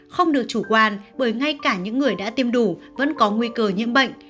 không được chủ quan bởi ngay cả những người đã tiêm đủ vẫn có nguy cơ nhiễm bệnh